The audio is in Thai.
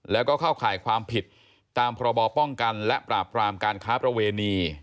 แล้วก็เข้าข่ายความผิดตามพรบป้องกันและปราบปรามการค้าประเวณี